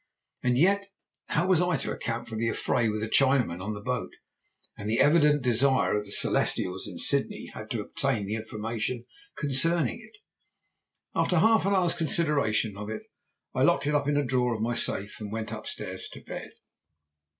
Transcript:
And yet, how was I to account for the affray with the Chinaman on the boat, and the evident desire the Celestials in Sydney had to obtain information concerning it? After half an hour's consideration of it I locked it up in a drawer of my safe and went upstairs to bed.